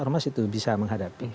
ormas itu bisa menghadapi